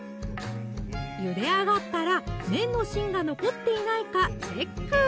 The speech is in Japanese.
ゆで上がったら麺の芯が残っていないかチェック！